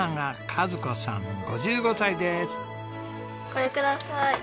これください。